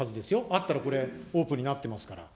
あったらこれ、オープンになってますから。